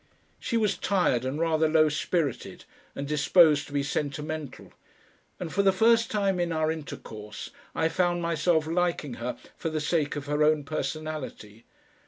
She was tired and rather low spirited, and disposed to be sentimental, and for the first time in our intercourse I found myself liking her for the sake of her own personality.